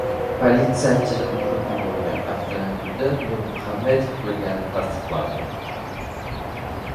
Politsiyachini urib yuborgan avtomobilda Nurmuhamedov bo‘lgani tasdiqlandi